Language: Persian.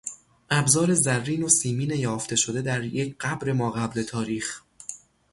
ابزار زرین و سیمین یافته شده در یک قبر ماقبل تاریخ